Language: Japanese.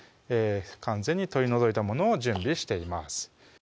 完全に取り除いたものを準備しています